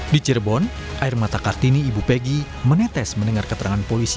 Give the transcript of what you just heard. di cirebon air mata kartini ibu peggy menetes mendengar keterangan polisi